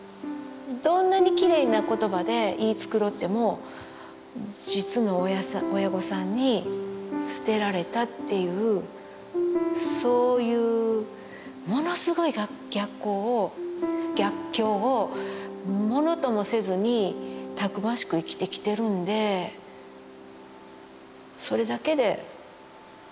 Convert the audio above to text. どんなにきれいな言葉で言い繕っても実の親御さんに捨てられたっていうそういうものすごい逆境をものともせずにたくましく生きてきてるんでそれだけですごい生命力を持った子やなと思います。